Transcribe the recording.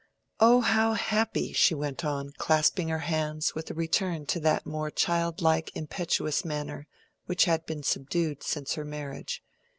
Oh, how happy!"—she went on, clasping her hands, with a return to that more childlike impetuous manner, which had been subdued since her marriage.